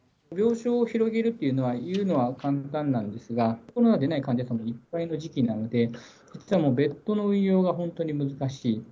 病床を広げるというのは、言うのは簡単なんですが、コロナでない患者さんもいっぱいの時期なんで、どうしてもベッドの運用がどうしても本当に難しい。